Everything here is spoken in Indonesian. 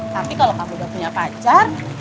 tapi kalau kamu sudah punya pacar